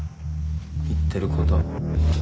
言ってること。